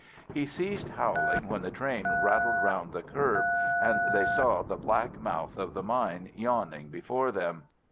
"He ceased howling when the train rattled round the curve and they saw the black mouth of the mine yawning before them.